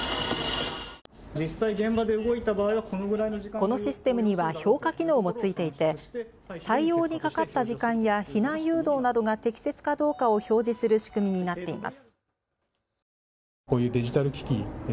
このシステムには評価機能もついていて対応にかかった時間や避難誘導などが適切かどうかを表示する仕組みになっています。